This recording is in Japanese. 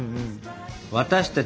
私たち